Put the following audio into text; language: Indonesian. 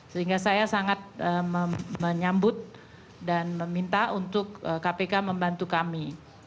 sehingga saya sangat menyambut dan meminta untuk kpk membantu kami